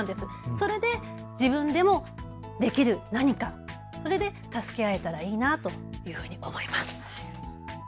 それで自分でもできる何か、それで助け合えたらいいなというふうに思います。